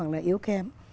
là yếu kém